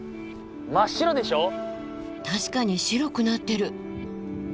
確かに白くなってる。